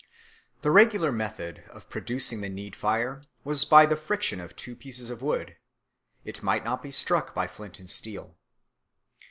The regular method of producing the need fire was by the friction of two pieces of wood; it might not be struck by flint and steel.